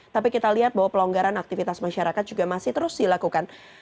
tapi kita lihat bahwa pelonggaran aktivitas masyarakat juga masih terus dilakukan